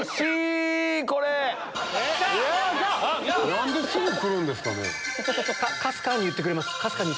何ですぐ来るんですかね。